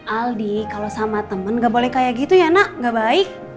aldi kalau sama temen gak boleh kayak gitu ya nak gak baik